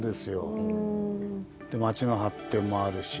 で町の発展もあるし。